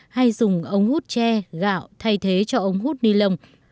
hay dùng ống hút tre gạo thay thế cho ống hút ni lông